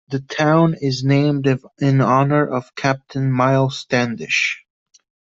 The town is named in honor of Captain Myles Standish.